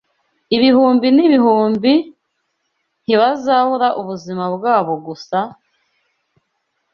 Ibihumbi n’ibihumbi ntibazabura ubuzima bwabo gusa,